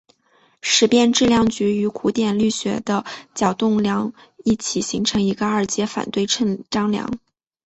时变质量矩与古典力学的角动量一起形成一个二阶反对称张量。